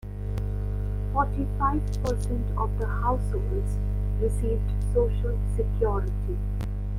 Forty-five percent of the households received Social Security.